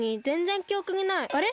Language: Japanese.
あれ？